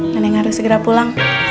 nenek harus segera pulang